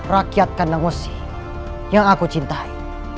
rakyat kandang wesi yang aku cintai